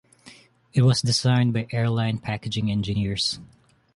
It was designed by airline packaging engineers.